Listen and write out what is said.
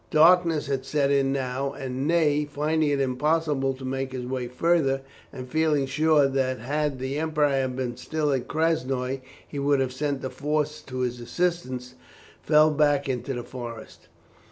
Darkness had set in now, and Ney, finding it impossible to make his way further, and feeling sure that had the Emperor been still at Krasnoi he would have sent a force to his assistance, fell back into the forest.